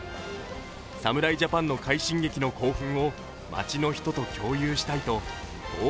侍ジャパンの快進撃の興奮を街の人と共有したいとＧＯ！